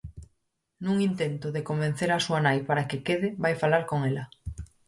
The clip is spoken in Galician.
Nun intento de convencer á súa nai para que quede, vai falar con ela.